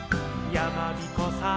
「やまびこさん」